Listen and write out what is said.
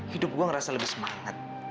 hidup gue ngerasa lebih semangat